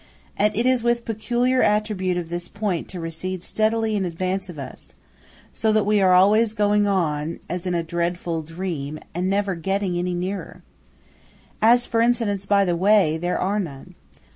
And it is the peculiar attribute of this Point to recede steadily in advance of us, so that we are always going on, as in a dreadful dream, and never getting any nearer. As for incidents by the way, there are none.